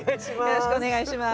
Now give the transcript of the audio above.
よろしくお願いします。